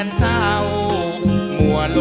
ไม่ใช้